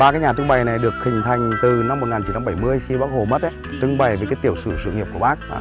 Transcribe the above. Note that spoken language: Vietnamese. ba cái nhà trưng bày này được hình thành từ năm một nghìn chín trăm bảy mươi khi bác hồ mất trưng bày về cái tiểu sử sự nghiệp của bác